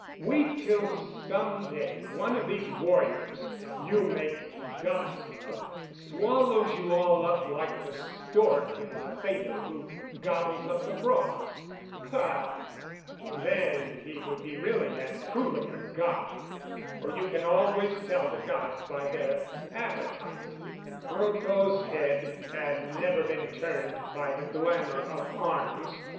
Wait till some day one of these warriors you make gods of swallows you all up like the stork in the fable who gobbles up the frogs. Ah! then he would be really and truly a God! For you can always tell the gods by their appetite." Brotteaux's head had never been turned by the glamour of arms.